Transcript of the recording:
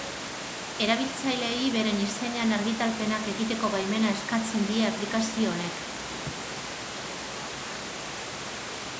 Erabiltzaileei beren izenean argitalpenak egiteko baimena eskatzen die aplikazio honek.